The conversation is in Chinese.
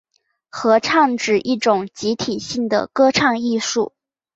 合唱指一种集体性的歌唱艺术。